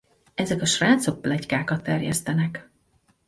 Ezek a srácok pletykákat terjesztenek.